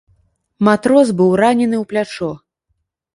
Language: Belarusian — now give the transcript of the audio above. Матрос быў ранены ў плячо.